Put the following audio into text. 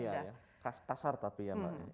itu itungan saya kasar tapi ya mbak